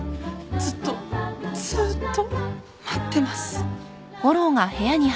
ずっとずっと待ってます。